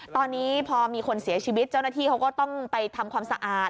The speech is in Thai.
ตอนนี้พอมีคนเสียชีวิตเจ้าหน้าที่เขาก็ต้องไปทำความสะอาด